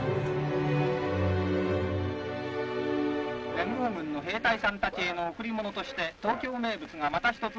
「連合軍の兵隊さんたちへの贈り物として東京名物がまた一つ増えました。